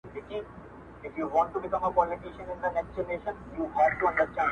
خو زه تاسي ته كيسه د ژوند كومه،